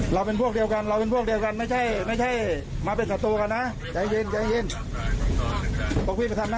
เราเป็นพวกเดียวกันเราเป็นพวกเดียวกันไม่ใช่ไม่ใช่มาเป็นศัตรูกันนะใจเย็นใจเย็น